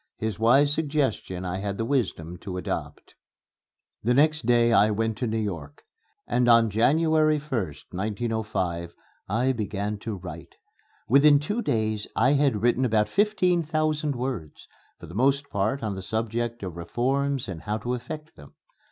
His wise suggestion I had the wisdom to adopt. The next day I went to New York, and on January 1st, 1905, I began to write. Within two days I had written about fifteen thousand words for the most part on the subject of reforms and how to effect them.